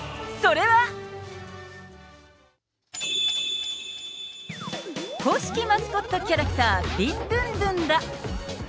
それは。公式マスコットキャラクター、ビンドゥンドゥンだ。